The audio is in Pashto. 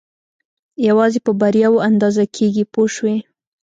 یوازې په بریاوو اندازه کېږي پوه شوې!.